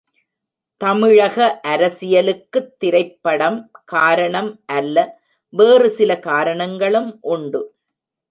தமிழக அரசியலுக்குத் திரைப்படம் காரணம் அல்ல வேறு சில காரணங்களும் உண்டு.